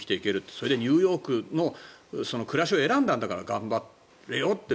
それでニューヨークの暮らしを選んだんだから頑張れよって。